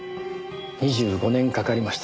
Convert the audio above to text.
２５年かかりました。